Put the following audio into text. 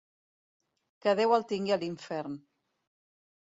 Que Déu el tingui a l'infern.